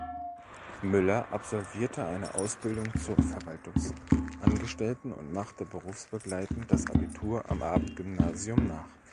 Müller absolvierte eine Ausbildung zur Verwaltungsangestellten und machte berufsbegleitend das Abitur am Abendgymnasium nach.